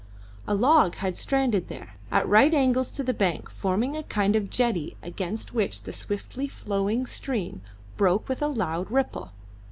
A great log had stranded there, at right angles to the bank, forming a kind of jetty against which the swiftly flowing stream broke with a loud ripple.